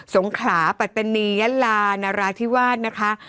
สงขราปะตนียะลานรทิวาสนะคะ